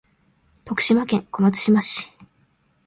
徳島県小松島市